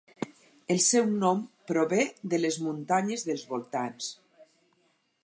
El seu nom prové de les muntanyes dels voltants.